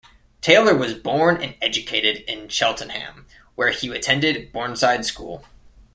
Taylor was born and educated in Cheltenham where he attended Bournside School.